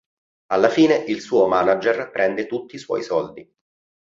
Alla fine, il suo manager prende tutti i suoi soldi.